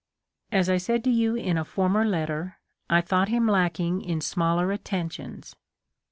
As I said to you in a former letter, I thought him lacking in smaller attentions.